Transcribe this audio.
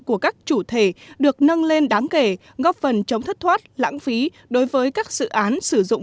của các chủ thể được nâng lên đáng kể góp phần chống thất thoát lãng phí đối với các dự án sử dụng